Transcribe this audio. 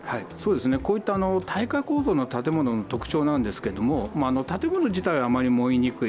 こういった耐火構造の建物の特徴なんですが、建物自体は燃えにくい。